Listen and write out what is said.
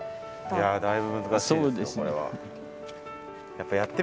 いやだいぶ難しいですよ